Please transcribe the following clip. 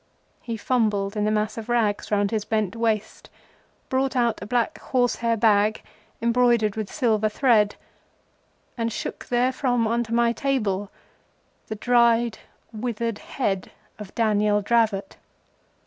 He fumbled in the mass of rags round his bent waist; brought out a black horsehair bag embroidered with silver thread; and shook therefrom on to my table—the dried, withered head of Daniel Dravot!